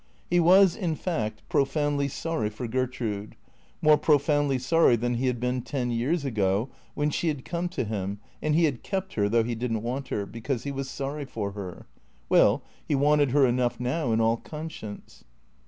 He was, in fact, profoundly sorry for Gertrude, more profoundly sorry than he had been ten years ago, when she had come to him, and he had kept her, though he did n't want her, because he was sorry for her. Well, he wanted her enough now in all conscience.